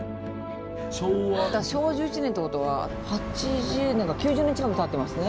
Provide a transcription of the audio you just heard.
昭和１１年ってことは８０年か９０年近くたってますね。